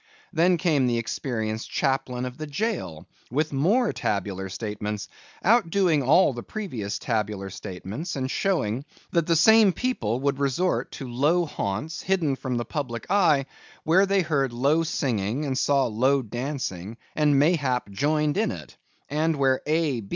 Then came the experienced chaplain of the jail, with more tabular statements, outdoing all the previous tabular statements, and showing that the same people would resort to low haunts, hidden from the public eye, where they heard low singing and saw low dancing, and mayhap joined in it; and where A.